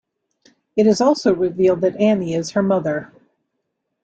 It is also revealed that Annie is her mother.